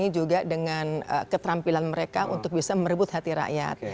ini juga dengan keterampilan mereka untuk bisa merebut hati rakyat